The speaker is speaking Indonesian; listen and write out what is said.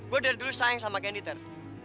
gue dari dulu sayang sama kendy ter